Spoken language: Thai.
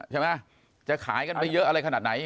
ใช่ไหมจะขายกันไปเยอะอะไรขนาดไหน